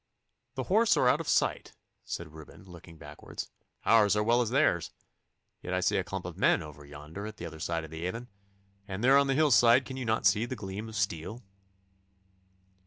'The horse are out of sight,' said Reuben, looking backwards, 'ours as well as theirs. Yet I see a clump of men over yonder at the other side of the Avon, and there on the hillside can you not see the gleam of steel?